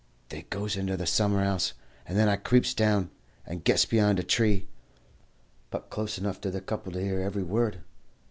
They goes into the summer 'ouse, and then I creeps down, and gets behind a tree, but close enough to the couple to hear every word.